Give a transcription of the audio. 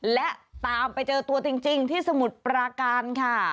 และตามไปเจอตัวจริงที่สมุทรปราการค่ะ